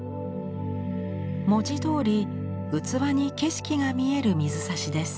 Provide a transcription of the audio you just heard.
文字どおり器に景色が見える水指です。